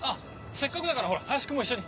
せっかくだから林君も一緒に。